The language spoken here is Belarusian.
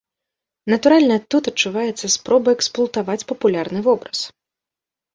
Натуральна, тут адчуваецца спроба эксплуатаваць папулярны вобраз.